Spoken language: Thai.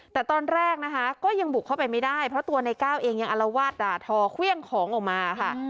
แต่ตอนแรกนะคะก็ยังบุกเข้าไปไม่ได้เพราะตัวในก้าวเองยังอลวาดด่าทอเครื่องของออกมาค่ะ